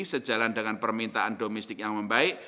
sejalan dengan permintaan domestik yang membaik